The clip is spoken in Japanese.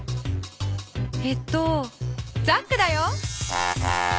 えっとザックだよ。